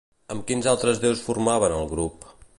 Amb quins altres déus formaven el grup?